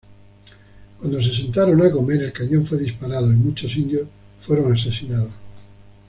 Cuando se sentaron a comer, el cañón fue disparado y muchos indios fueron asesinados.